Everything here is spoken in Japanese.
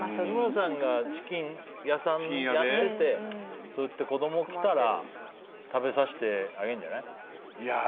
日村さんがチキン屋さんやっててそうやって子供来たら食べさせてあげんじゃない？